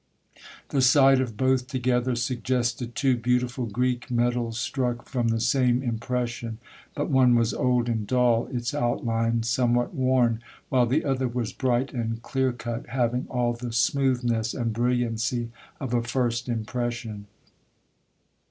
The sight of both together suggested two beauti ful Greek medals struck from the same impression ; but one was old and dull, its outlines somewhat worn, while the other was bright and clear cut, having all the smoothness and brilliancy of a first impression.